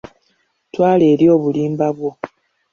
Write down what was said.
Twala eri obulimba bwo.